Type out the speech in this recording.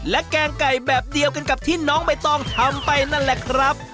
และแกงไก่แบบเดียวกันกับที่น้องใบตองทำไปนั่นแหละครับ